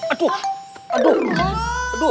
aduh aduh aduh